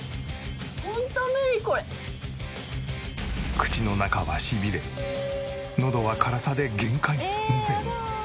口の中はしびれのどは辛さで限界寸前。